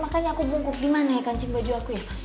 makanya aku bungkuk dimana kancing baju aku ya mas